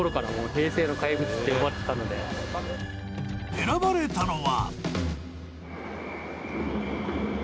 選ばれたのは。